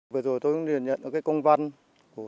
vừa rồi tôi nhận được công văn của thái lan